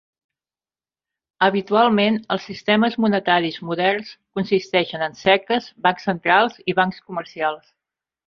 Habitualment, els sistemes monetaris moderns consisteixen en seques, bancs centrals i bancs comercials.